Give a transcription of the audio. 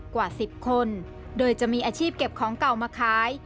กว่า๑๐คนโดยจะมีอาชีพเก็บของเก่ามาขาย